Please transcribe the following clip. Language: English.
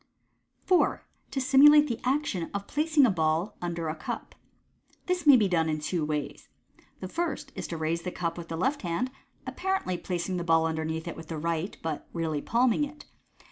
4. To Simulate the Actton of Placing a Ball under a Cujp. — This may be done in two ways. The first is to raise the cup with the left hand, apparently placing the ball underneath it with the right, but really palming it.